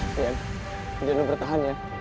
deyan jangan bertahan ya